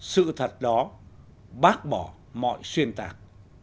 sự thật đó bác bỏ mọi xuyên tạc